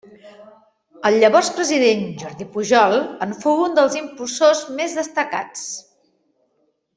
El llavors president Jordi Pujol en fou un dels impulsors més destacats.